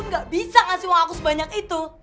ibu tuh udah bisa kasih uang aku sebanyak itu